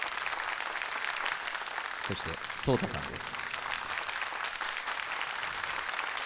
そして壮太さんです。